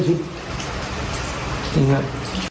จริงครับ